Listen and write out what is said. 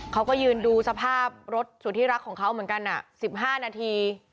เขาก็ยืนดูสภาพรถสุดที่รักของเขาเหมือนกัน๑๕นาที